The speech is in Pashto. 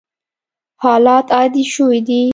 حالات عادي شوي دي.